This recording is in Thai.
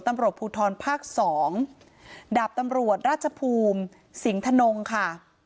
ตำรวจภูทรภาคสองดาบตำรวจราชภูมิสิงธนงค่ะ